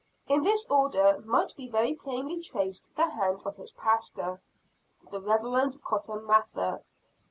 In this order might be very plainly traced the hand of his pastor, the Reverend Cotton Mather.